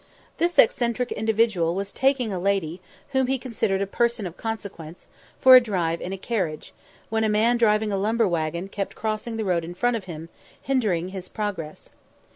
This eccentric individual was taking a lady, whom he considered a person of consequence, for a drive in a carriage, when a man driving a lumber waggon kept crossing the road in front of him, hindering his progress.